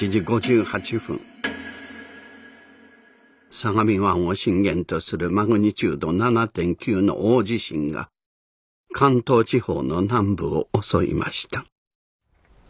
相模湾を震源とするマグニチュード７．９の大地震が関東地方の南部を襲いました。